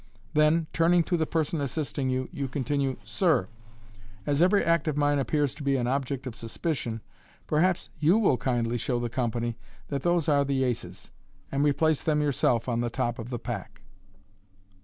Then, turning to the person assisting you, you continue, " Sir, as every act of mine appears to be an object of suspicion, perhaps you will kindly show the company that those are the aces, and replace them yourself on the top of the pack."